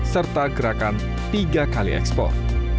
serta gerakan tiga kali ekspor